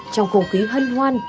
trong cầu khí hân hoan